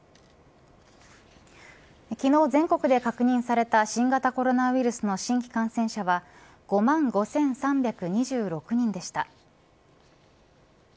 昨日、全国で確認された新型コロナウイルスの新規感染者は５万５３２６人でした。